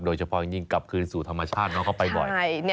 โดยเฉพาะอย่างยิ่งกลับคืนสู่ธรรมชาติน้องก็ไปบ่อย